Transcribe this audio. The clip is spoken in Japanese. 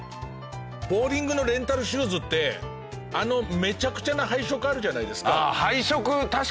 ボウリングのレンタルシューズってあのめちゃくちゃな配色あるじゃないですか。